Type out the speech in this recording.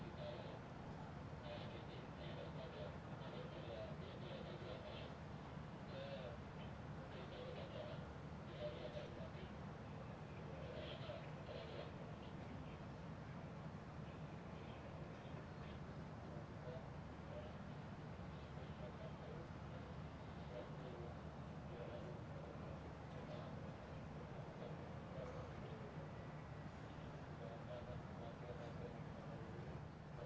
mewakili panglima angkatan bersenjata singapura